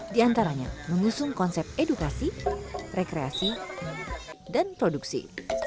di antaranya mengusung konsep edukasi rekreasi dan produksi